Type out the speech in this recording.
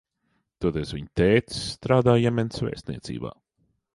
Toties viņa tētis strādā Jemenas vēstniecībā.